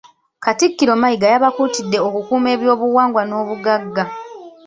Katikkiro Mayiga yabakuutidde okukuuma ebyobuwangwa n’obugagga.